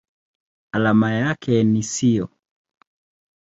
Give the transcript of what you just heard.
Alama yake ni SiO.